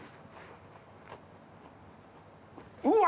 うわ！